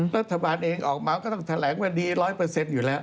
รัฐบาลเองออกมาก็ต้องแถลงว่าดี๑๐๐อยู่แล้ว